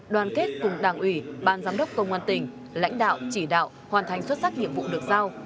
đoàn kết cùng đảng ủy ban giám đốc công an tỉnh lãnh đạo chỉ đạo hoàn thành xuất sắc nhiệm vụ được giao